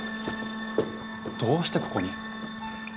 どうしてここに？